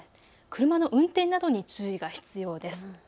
車の運転などに注意が必要です。